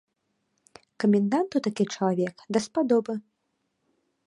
Каменданту такі чалавек даспадобы.